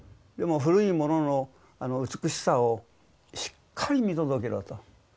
でも古いものの美しさをしっかり見届けろと。